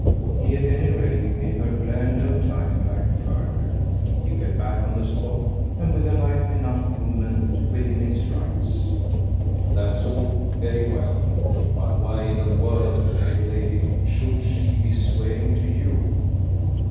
He at any rate gave her glare no time to act further; he fell back on the spot, and with a light enough movement, within his rights. "That's all very well, but why in the world, dear lady, should she be swearing to you?"